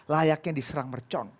layaknya diserang mercon